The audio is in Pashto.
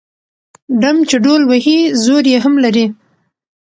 ـ ډم چې ډول وهي زور يې هم لري.